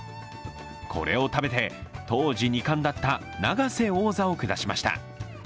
これを食べて当時、二冠だった永瀬王座を下しました。